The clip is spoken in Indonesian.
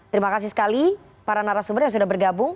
terima kasih sekali para narasumber yang sudah bergabung